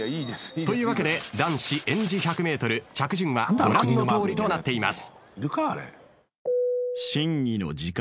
というわけで男子演じ１００ｍ着順はご覧のとおりとなっています。